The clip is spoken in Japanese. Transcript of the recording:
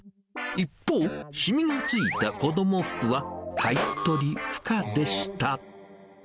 一方、染みがついた子ども服は、買い取り不可でした。